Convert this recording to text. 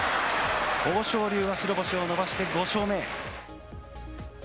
豊昇龍は白星を伸ばして５勝目。